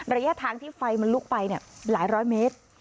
ระยะทางที่ไฟมันลุกไปหลายร้อยเมตร